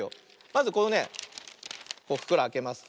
まずこのねふくろあけます。